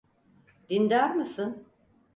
Dindar mısın?